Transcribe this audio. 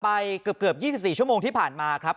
ไปเกือบ๒๔ชั่วโมงที่ผ่านมาครับ